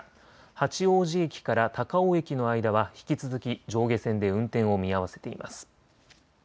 八王子駅から高尾駅の間は引き続き上下線で運転を見合わせています。